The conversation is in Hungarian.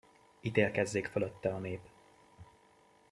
Ítélkezzék fölötte a nép!